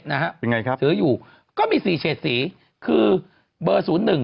นะฮะเป็นไงครับซื้ออยู่ก็มีสี่เฉดสีคือเบอร์ศูนย์หนึ่ง